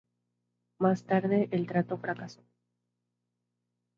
Más tarde el trato fracasó.